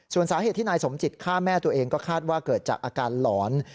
ส่วนสาเหตุที่นายสมจิตฆ่าแม่ตัวเองก็คาดว่าเกิดจากอาการหลอน